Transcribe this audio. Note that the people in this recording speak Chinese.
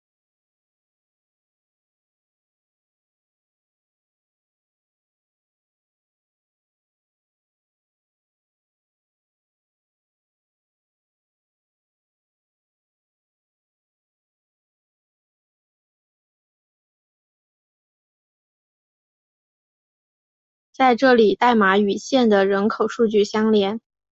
在这里代码与县的人口数据相连。